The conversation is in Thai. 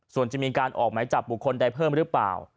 ส่วนจะมีการออกหมายจับบุคคลใดเพิ่มหรือเปล่า